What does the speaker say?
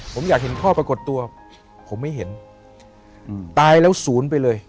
ผมอยากเห็นพ่อปรากฏตัวผมไม่เห็นตายแล้วศูนย์ไปเลย